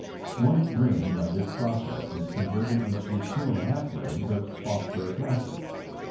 One grain by this process \b conirerled into two and a half grains of phosphoric acid.